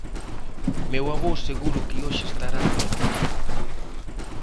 Meu avó seguro que hoxe estará feliz.